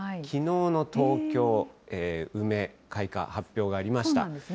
きのうの東京、梅、開花、発表がありました。